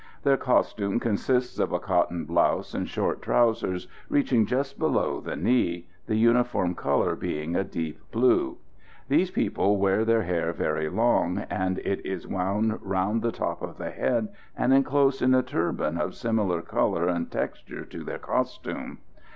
Their costume consists of a cotton blouse and short trousers reaching just below the knee, the uniform colour being a deep blue. [Illustration: TONQUINESE NATIVE TYPES.] These people wear their hair very long, and it is wound round the top of the head and enclosed in a turban of similar colour and texture to their costume.